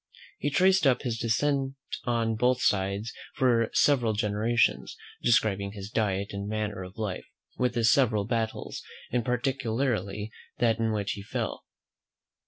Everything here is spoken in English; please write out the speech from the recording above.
He traced up his descent on both sides for several generations, describing his diet and manner of life, with his several battles, and particularly that in which he fell.